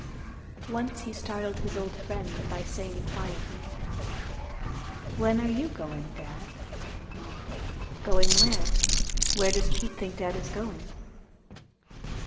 Once he startled his old friend by saying quietly, "When are you goin', Dad?" "Going where? Where does Pete think Dad is going?"